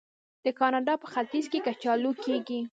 د کاناډا په ختیځ کې کچالو کیږي.